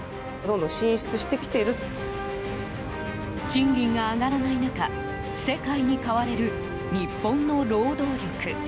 賃金が上がらない中世界に買われる日本の労働力。